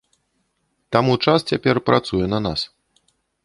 Таму час цяпер працуе на нас.